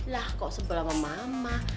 lah kok sebes sama mama